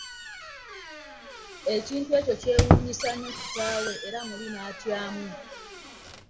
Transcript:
Ekintu ekyo kyewuunyisa nnyo kitaawe era muli n'atyamu.